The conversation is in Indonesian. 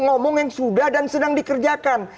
ngomong yang sudah dan sedang dikerjakan